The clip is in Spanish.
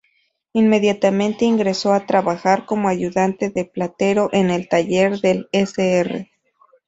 Inmediatamente ingresó a trabajar como ayudante de platero en el taller del Sr.